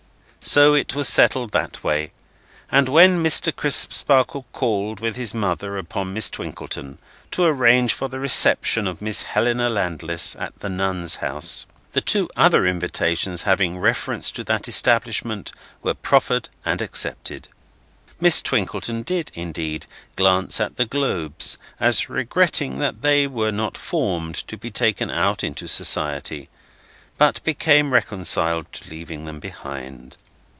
So it was settled that way: and when Mr. Crisparkle called with his mother upon Miss Twinkleton, to arrange for the reception of Miss Helena Landless at the Nuns' House, the two other invitations having reference to that establishment were proffered and accepted. Miss Twinkleton did, indeed, glance at the globes, as regretting that they were not formed to be taken out into society; but became reconciled to leaving them behind.